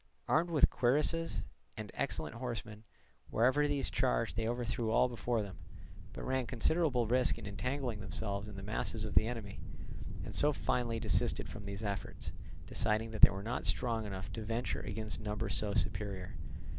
Armed with cuirasses, and excellent horsemen, wherever these charged they overthrew all before them, but ran considerable risk in entangling themselves in the masses of the enemy, and so finally desisted from these efforts, deciding that they were not strong enough to venture against numbers so superior.